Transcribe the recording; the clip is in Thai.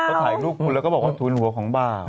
เขาถ่ายรูปคุณแล้วก็บอกว่าทูลหัวของบ่า